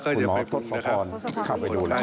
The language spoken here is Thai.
คุณหมอต้นสะพาน